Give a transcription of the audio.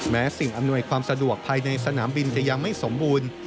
สิ่งอำนวยความสะดวกภายในสนามบินจะยังไม่สมบูรณ์